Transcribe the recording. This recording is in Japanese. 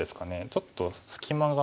ちょっと隙間が。